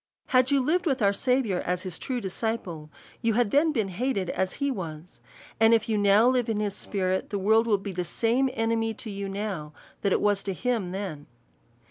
Had you lived with our Saviour as his true disciple, DEVOUT AND HOLY LIFE. 227 you had then been hated as he was ; and if you now live in his spirit, the world will be the same enemy to you now, that it was to him then.